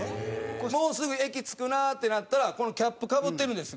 もうすぐ駅着くなってなったらこのキャップかぶってるんです